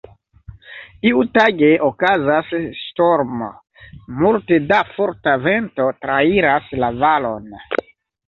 Iutage, okazas ŝtormo. Multe da forta vento trairas la valon.